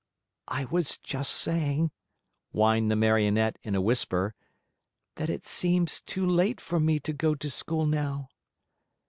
"I was just saying," whined the Marionette in a whisper, "that it seems too late for me to go to school now."